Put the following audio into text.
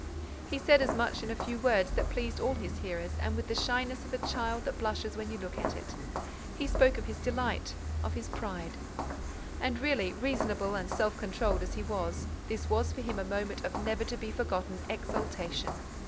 He said as much in a few words that pleased all his hearers and with the shyness of a child that blushes when you look at it. He spoke of his delight, of his pride. And really, reasonable and self controlled as he was, this was for him a moment of never to be forgotten exultation.